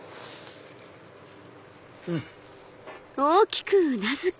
うん！